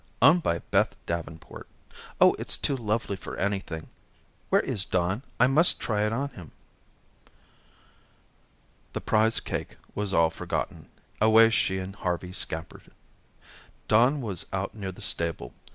Owned by Beth Davenport.' Oh, it's too lovely for anything. Where is Don? I must try it on him." The prize cake was all forgotten. Away she and Harvey scampered. Don was out near the stable.